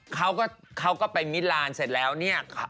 เค้าก็ไปมิรารด์เสร็จแล้วเนี่ย